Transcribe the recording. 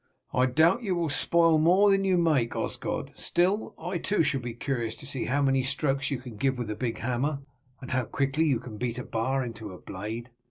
"I doubt you will spoil more than you make, Osgod. Still, I too shall be curious to see how many strokes you can give with the big hammer, and how quickly you can beat a bar into a blade."